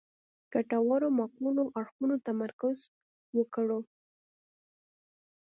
ګټورو معقولو اړخونو تمرکز وکړو.